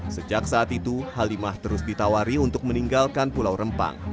sejak saat itu halimah terus ditawari untuk meninggalkan pulau rempang